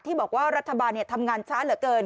บอกว่ารัฐบาลทำงานช้าเหลือเกิน